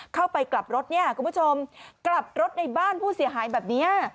กลับรถเนี่ยคุณผู้ชมกลับรถในบ้านผู้เสียหายแบบนี้